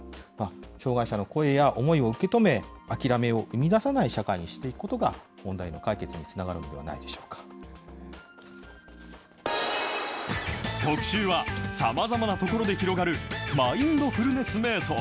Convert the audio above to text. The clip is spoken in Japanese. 障害者の声や思いを受け止め、諦めを生み出さない社会にしていくことが、問題の解決につながる特集は、さまざまな所で広がる、マインドフルネスめい想。